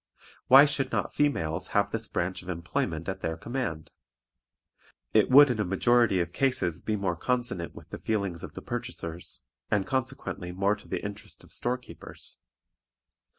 Why should not females have this branch of employment at their command? It would in a majority of cases be more consonant with the feelings of the purchasers, and consequently more to the interest of store keepers.